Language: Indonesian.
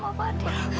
mama baru saja sadar mak